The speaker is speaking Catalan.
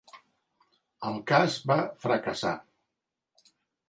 El cas va fracassar.